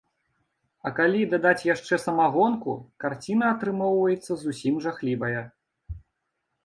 А калі дадаць яшчэ самагонку, карціна атрымоўваецца зусім жахлівая.